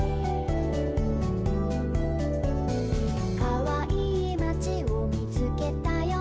「かわいいまちをみつけたよ」